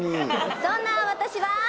そんな私は。